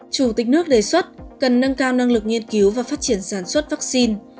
chủ tịch nước đề xuất cần nâng cao năng lực nghiên cứu và phát triển sản xuất vaccine